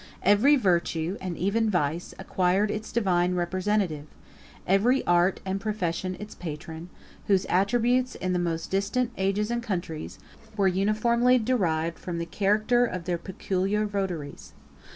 Every virtue, and even vice, acquired its divine representative; every art and profession its patron, whose attributes, in the most distant ages and countries, were uniformly derived from the character of their peculiar votaries.